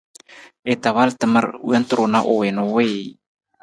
I ta wal tamar wonta ru na u wii na u wiiji.